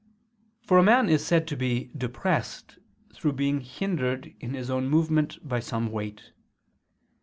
For a man is said to be depressed, through being hindered in his own movement by some weight.